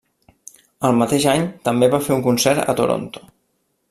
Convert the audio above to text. El mateix any també va fer un concert a Toronto.